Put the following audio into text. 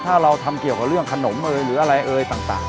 ถ้าเราทำเกี่ยวกับเรื่องขนมเอ่ยหรืออะไรเอ่ยต่าง